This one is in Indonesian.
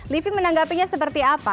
livi menanggapinya seperti apa